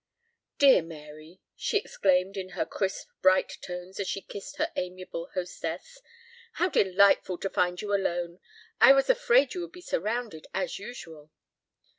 "Dear Mary!" she exclaimed in her crisp bright tones as she kissed her amiable hostess. "How delightful to find you alone. I was afraid you would be surrounded as usual."